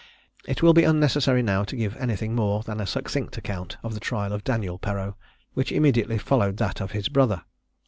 It will be unnecessary now to give anything more than a succinct account of the trial of Daniel Perreau, which immediately followed that of his brother.